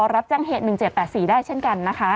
รับแจ้งเหตุ๑๗๘๔ได้เช่นกันนะคะ